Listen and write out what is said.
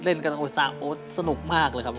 เล่นกันสนุกมากเลยครับ